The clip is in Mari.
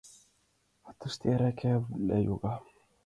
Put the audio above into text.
А тыште арака вӱдла йога.